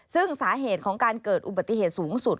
ซึ่งสาเหตุของการเกิดอุบัติเหตุสูงสุด